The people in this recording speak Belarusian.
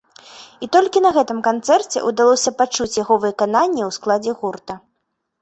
І толькі на гэтым канцэрце ўдалося пачуць яго выкананне ў складзе гурта.